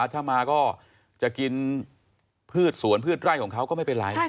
ถ้ามาก็จะกินพืชสวนพืชไร่ของเขาก็ไม่เป็นไร